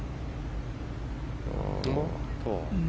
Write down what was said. おっと。